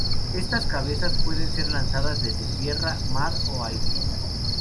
Estas cabezas pueden ser lanzadas desde tierra, mar o aire.